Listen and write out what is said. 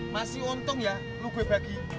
masih untung ya lo gue bagi